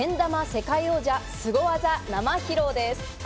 世界王者のスゴ技生披露です。